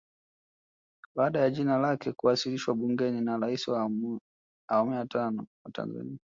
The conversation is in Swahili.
Baada ya jina lake kuwasilishwa bungeni na Rais wa awamu ya tano wa Tanzania